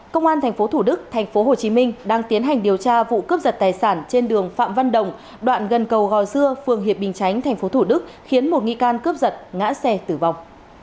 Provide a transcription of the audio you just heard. công an tp thủ đức tp hcm đang tiến hành điều tra vụ cướp giật tài sản trên đường phạm văn đồng đoạn gần cầu gò dưa phường hiệp bình chánh tp thủ đức khiến một nghi can cướp giật ngã xe tử vong